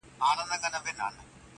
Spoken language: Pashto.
هرکلي ته مې جانان خندان را ووت ,